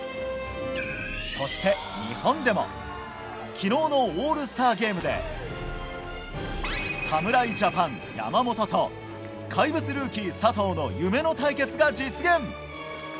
そして、日本でも昨日のオールスターゲームで侍ジャパン山本と怪物ルーキー、佐藤の夢の対決が実現。